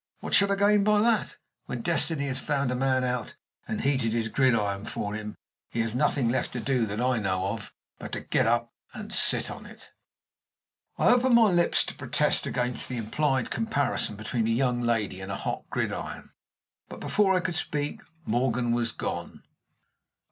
"What should I gain by that? When destiny has found a man out, and heated his gridiron for him, he has nothing left to do, that I know of, but to get up and sit on it." I opened my lips to protest against the implied comparison between a young lady and a hot gridiron, but, before I could speak, Morgan was gone.